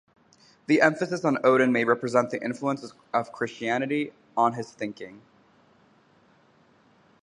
This emphasis on Odin may represent the influence of Christianity on his thinking.